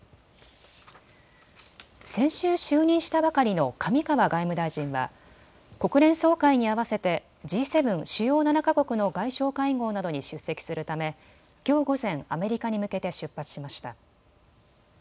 先週就任したばかりの上川外務大臣は国連総会に合わせてＧ７・主要７か国の外相会合などに出席するため、きょう午前、アメリカに向けて出発しました。